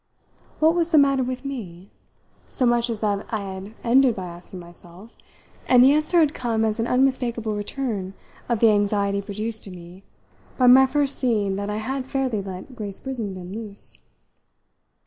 What was the matter with me? so much as that I had ended by asking myself; and the answer had come as an unmistakable return of the anxiety produced in me by my first seeing that I had fairly let Grace Brissenden loose.